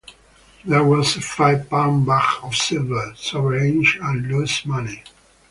There was a five-pound bag of silver, sovereigns and loose money.